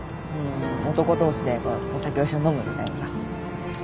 男同士でこうお酒を一緒に飲むみたいなさ。